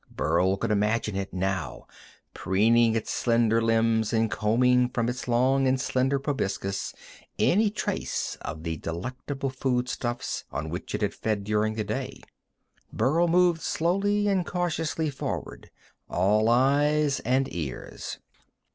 Burl could imagine it, now, preening its slender limbs and combing from its long and slender proboscis any trace of the delectable foodstuffs on which it had fed during the day. Burl moved slowly and cautiously forward, all eyes and ears.